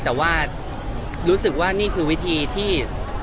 แต่ว่ารู้สึกว่านี่คือวิธีที่